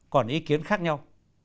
còn ý kiến khác nhau